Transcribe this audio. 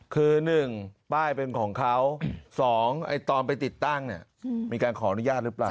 คือ๑ป้ายเป็นของเขา๒ตอนไปติดตั้งเนี่ยมีการขออนุญาตหรือเปล่า